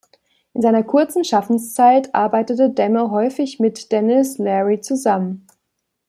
In seiner kurzen Schaffenszeit arbeitete Demme häufig mit Denis Leary zusammen.